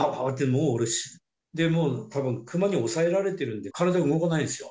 もう、でも、たぶんクマに抑えられてるんで、体動かないですよ。